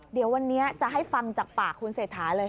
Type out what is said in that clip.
เดี๋ยววันนี้จะให้ฟังออกจากปากของคุณเสธา